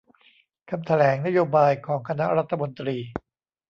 คำแถลงนโยบายของคณะรัฐมนตรี